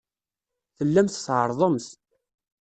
Tellamt tɛerrḍemt.